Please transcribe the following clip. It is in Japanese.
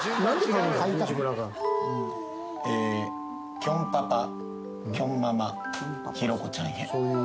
きょんパパ、きょんママ、ひろこちゃんへ。